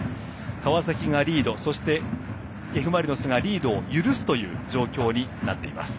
川崎がリード、Ｆ・マリノスがリードを許すという状況になっています。